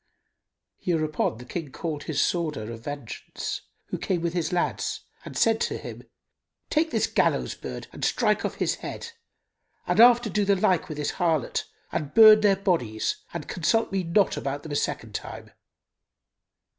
Hereupon the King called his sworder of vengeance, who came with his lads, and said to him, "Take this gallows bird and strike off his head and after do the like with this harlot and burn their bodies, and consult me not about them a second time."